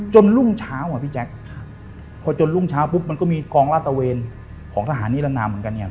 รุ่งเช้าอ่ะพี่แจ๊คพอจนรุ่งเช้าปุ๊บมันก็มีกองลาตะเวนของทหารนิรนามเหมือนกันเนี่ย